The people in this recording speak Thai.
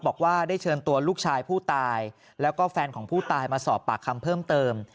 บอกว่าได้เชิญตัวลูกชายผู้ตายแล้วก็แฟนของผู้ตายมาสอบปากคำเพิ่มเติม